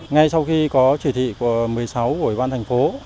ngay sau khi có chỉ thị của một mươi sáu của ủy ban thành phố